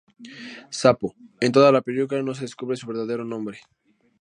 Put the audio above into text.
Sapo: En toda la película no se descubre su verdadero nombre.